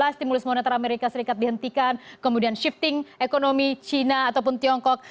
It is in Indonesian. stimulus moneter amerika serikat dihentikan kemudian shifting ekonomi china ataupun tiongkok